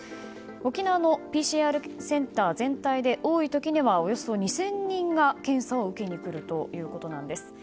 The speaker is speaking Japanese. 沖縄のＰＣＲセンター全体で多い時にはおよそ２０００人が検査を受けに来るということです。